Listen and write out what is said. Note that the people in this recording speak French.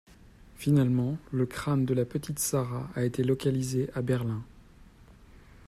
Finalement, le crâne de la petite Sara a été localisé à Berlin.